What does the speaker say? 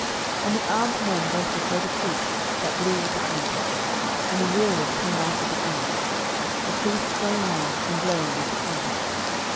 06:006:009 And the armed men went before the priests that blew with the trumpets, and the rereward came after the ark, the priests going on, and blowing with the trumpets.